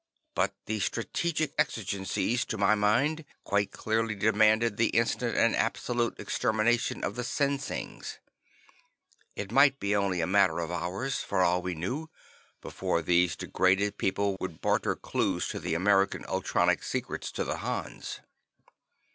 But the strategic exigencies, to my mind, quite clearly demanded the instant and absolute extermination of the Sinsings. It might be only a matter of hours, for all we knew, before these degraded people would barter clues to the American ultronic secrets to the Hans.